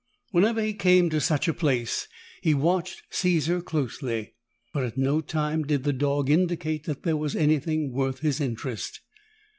Whenever he came to such a place, he watched Caesar closely. But at no time did the dog indicate that there was anything worth his interest.